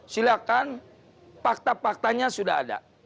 silakan fakta faktanya sudah ada